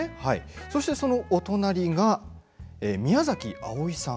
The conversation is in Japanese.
そして、そのお隣が宮崎あおいさん。